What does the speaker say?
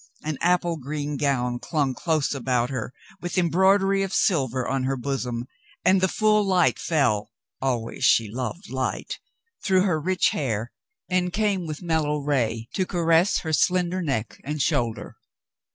An apple green gown clung close about her, with embroidery of silver on her bosom, and the full light fell — always she loved light — through her rich hair and came with mellow ray to caress her slender neck and shoulder.